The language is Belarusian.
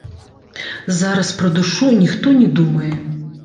Зараз пра душу ніхто не думае.